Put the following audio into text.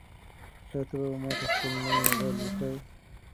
آیا ته به ماته خپل نوی موبایل وښایې؟